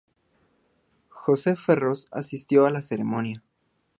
Jose Ferreyros asistió a la Ceremonia.